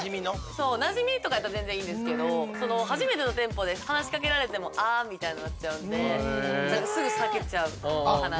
そうなじみとかやったら全然いいんですけど初めての店舗で話しかけられても「あ」みたいになっちゃうんですぐ避けちゃうかな。